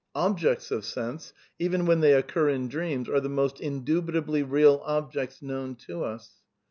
Objects of sense, even when th^ occur in dreamSy are the most indubitably real objects known to ns.